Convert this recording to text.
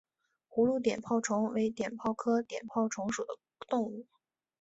葫芦碘泡虫为碘泡科碘泡虫属的动物。